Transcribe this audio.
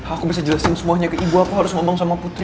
aku bisa jelasin semuanya ke ibu aku harus ngomong sama putri